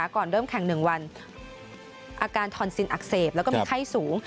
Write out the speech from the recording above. ก่อนเริ่มแข่ง๑วันอาการทอนซินอักเสบแล้วก็มีไข้สูง